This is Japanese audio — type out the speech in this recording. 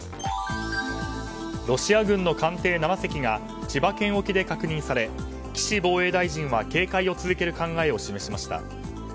ロシア軍の艦艇７隻が千葉県沖で確認され岸防衛大臣は警戒を続ける考えを示しました。